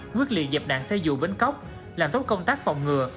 nguyên liệu dẹp nạn xe dù bến cóc làm tốt công tác phòng ngừa